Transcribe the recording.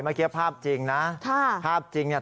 เมื่อกี้ภาพจริงนะภาพจริงเนี่ย